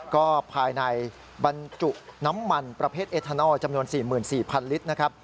ก็ภายในบรรจุน้ำมันประเภทเอทานอลจำนวน๔๔๐๐ลิตรนะครับ